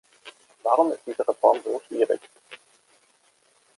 Warum ist diese Reform so schwierig?